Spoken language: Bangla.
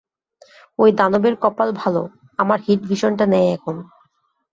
ওই দানবের কপাল ভালো আমার হিট ভিশনটা নেই এখন।